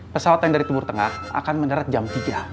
pesawat yang dari timur tengah akan mendarat jam tiga